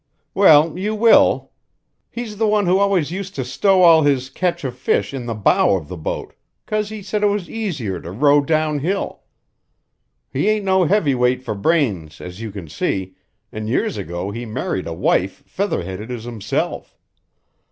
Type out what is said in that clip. "Well, you will. He's the one who always used to stow all his catch of fish in the bow of the boat 'cause he said it was easier to row downhill. He ain't no heavyweight for brains as you can see, an' years ago he married a wife feather headed as himself.